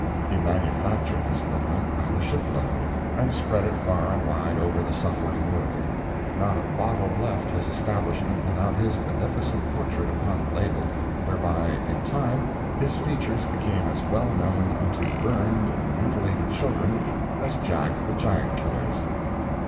He manufactured this liniment by the ship load, and spread it far and wide over the suffering world; not a bottle left his establishment without his beneficent portrait upon the label, whereby, in time, his features became as well known unto burned and mutilated children as Jack the Giant Killer's.